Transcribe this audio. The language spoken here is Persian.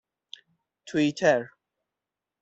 توییتر